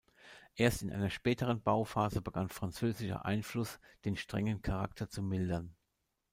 Erst in einer späteren Bauphase begann französischer Einfluss den strengen Charakter zu mildern.